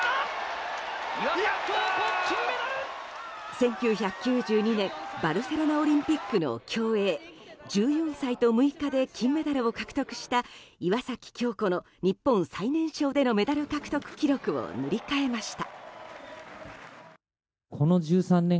１９９２年のバルセロナオリンピックの競泳１４歳と６日で金メダルを獲得した岩崎恭子の日本最年少でのメダル獲得記録を塗り替えました。